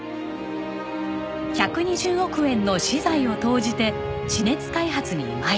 １２０億円の私財を投じて地熱開発にまい進します。